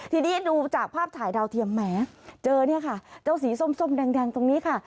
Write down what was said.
ทีนี้ดูจากภาพถ่ายดาวเทียมแหมเจอเนี่ยค่ะเจ้าสีส้มแดงตรงนี้ค่ะ